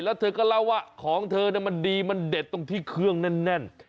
แล้วเธอก็เล่าว่าของเธอมันดีมันเด็ดตรงที่เครื่องแน่น